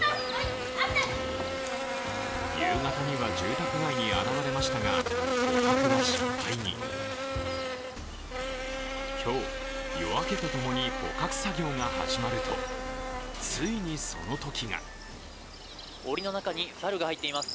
夕方には住宅街に現れましたが捕獲は失敗に今日、夜明けとともに捕獲作業が始まると、ついにその時がおりの中に猿が入っています。